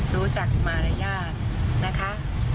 รู้จักมารยาทนะคะ